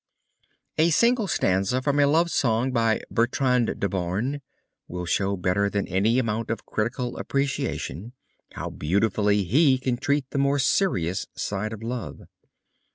A single stanza from a love song by Bertrand De Born will show better than any amount of critical appreciation how beautifully he can treat the more serious side of love.